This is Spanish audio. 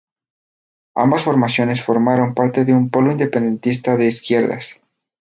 Ambas formaciones formaron parte de un "polo independentista de izquierdas".